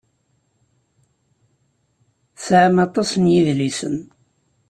Tesɛam aṭas n yidlisen.